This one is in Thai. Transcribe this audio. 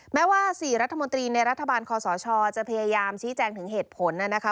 แม้ว่า๔รัฐมนตรีในรัฐบาลคอสชจะพยายามชี้แจงถึงเหตุผลนะคะ